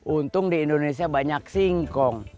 untung di indonesia banyak singkong